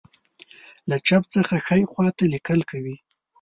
له چپ څخه ښی خواته لیکل کوي.